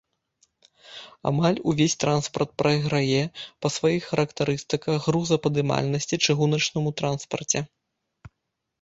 Амаль увесь транспарт прайграе па сваіх характарыстыках грузападымальнасці чыгуначнаму транспарце.